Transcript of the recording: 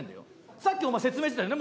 さっきお前説明してたよね